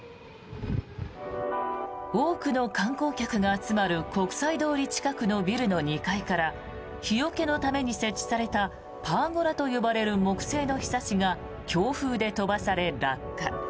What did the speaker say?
多くの観光客が集まる国際通り近くのビルの２階から日よけのために設置されたパーゴラと呼ばれる木製のひさしが強風で飛ばされ、落下。